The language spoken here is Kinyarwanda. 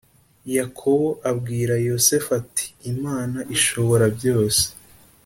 Yakobo abwira Yosefu ati Imana Ishoborabyose